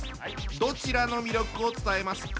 どちらの魅力を伝えますか？